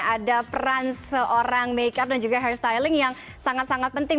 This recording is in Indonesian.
ada peran seorang make up dan juga hairstyling yang sangat sangat penting